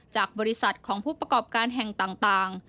จากบริษัทของผู้ประกอบการแห่งต่าง